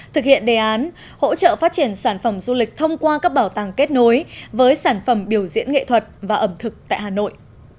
thực hiện đề án hỗ trợ phát triển sản phẩm du lịch thông qua các bảo tàng kết nối với sản phẩm biểu diễn nghệ thuật và ẩm thực tại hà nội